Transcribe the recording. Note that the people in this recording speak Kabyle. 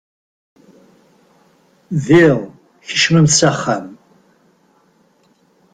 D iḍ, kecmemt s axxam.